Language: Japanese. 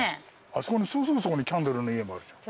あそこにすぐそこにキャンドルの家もあるじゃん。